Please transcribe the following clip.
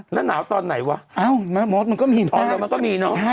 และหนาวตอนไหนวะเอ้าม้ะมสมมันก็มีอะแล้วมันก็มีน่ะ